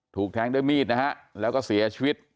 ถูกแทงด้วยมีดนะฮะแล้วก็เสียชีวิต